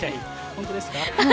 本当ですか。